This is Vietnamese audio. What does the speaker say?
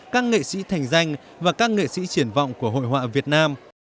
các nghệ sĩ thành danh và các nghệ sĩ triển vọng của hội họa việt nam